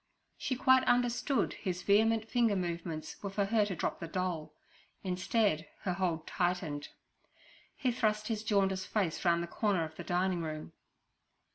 She quite understood his vehement finger movements were for her to drop her doll; instead, her hold tightened. He thrust his jaundiced face round the door of the dining room.